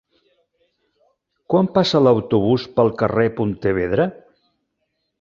Quan passa l'autobús pel carrer Pontevedra?